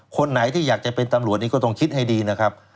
คนไหนที่อยากจะเป็นตำรวจนี้ก็ต้องคิดให้ดีนะครับ